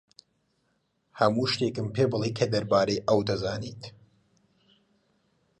هەموو شتێکم پێ بڵێ کە دەربارەی ئەو دەزانیت.